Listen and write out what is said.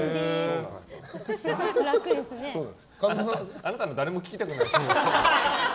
あなたの誰も聞きたくないです。